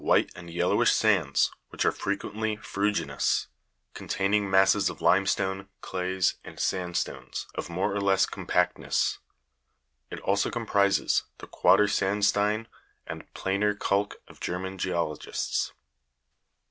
71 and yellowish sands, which are frequently ferruginous, containing masses of limestone, clays, and sandstones of more or less com pactness : it also comprises the quadersandstein and plxmr kalk of German geologists.